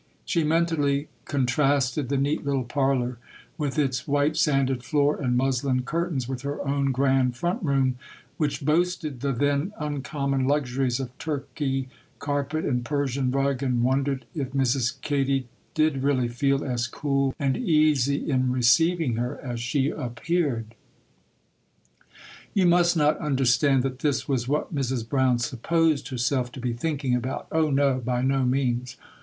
She mentally contrasted the neat little parlour, with its white sanded floor and muslin curtains, with her own grand front room, which boasted the then uncommon luxuries of Turkey carpet and Persian rug, and wondered if Mrs. Katy did really feel as cool and easy in receiving her as she appeared. You must not understand that this was what Mrs. Brown supposed herself to be thinking about; oh, no! by no means!